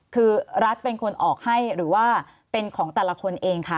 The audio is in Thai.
คือรัฐเป็นคนออกให้หรือว่าเป็นของแต่ละคนเองคะ